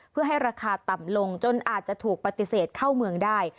เพื่อให้ราคาต่ำลงจนอาจจะถูกปฏิเสธเข้าเมืองได้